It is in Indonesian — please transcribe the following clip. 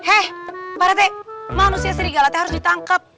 eh pak rete manusia serigala harus ditangkep